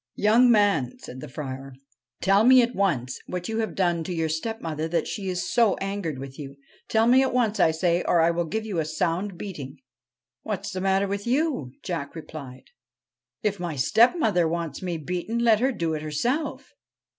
'Young man,' said the Friar, 'tell me at once what you have done to your stepmother that she is so angered with you. Tell me at once, I say, or I will give you a sound beating.' ' What 's the matter with you ?' replied Jack. ' If my stepmother wants me beaten, let her do it herself.